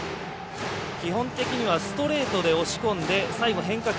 基本的にはストレートで押し込んで、最後、変化球。